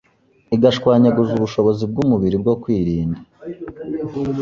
igashwanyaguza ubushobozi bw’umubiri bwo kiwirinda